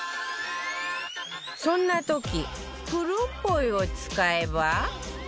そんな時くるんポイを使えば